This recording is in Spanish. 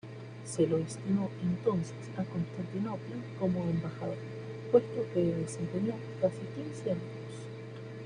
Se lo destinó entonces a Constantinopla como embajador, puesto que desempeñó casi quince años.